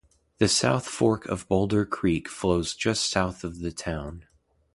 The South Fork of Boulder Creek flows just south of the town.